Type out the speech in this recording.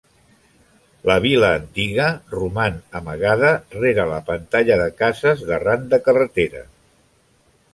La vila antiga roman amagada rere la pantalla de cases de ran de carretera.